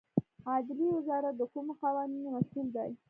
عدلیې وزارت د کومو قوانینو مسوول دی؟